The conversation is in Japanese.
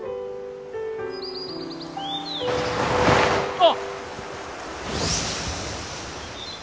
あっ！